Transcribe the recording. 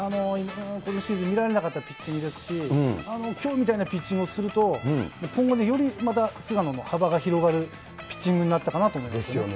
このシーズン見られなかったピッチングですし、きょうみたいなピッチングをすると、もう今後、より菅野の幅が広がるピッチングになったかなと思いますね。